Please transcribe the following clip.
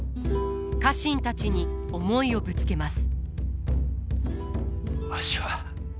家臣たちに思いをぶつけます。